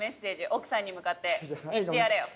奥さんに向かって言ってやれよ。